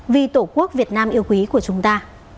vì tổ quốc việt nam yêu quý của chúng ta